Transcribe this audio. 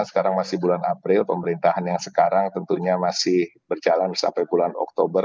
sekarang masih bulan april pemerintahan yang sekarang tentunya masih berjalan sampai bulan oktober